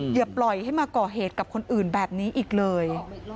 อย่าปล่อยให้มาก่อเหตุกับคนอื่นแบบนี้อีกเลย